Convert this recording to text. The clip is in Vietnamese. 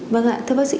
vâng ạ thưa bác sĩ